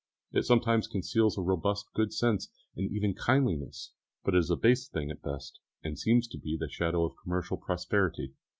It sometimes conceals a robust good sense and even kindliness; but it is a base thing at best, and seems to be the shadow of commercial prosperity.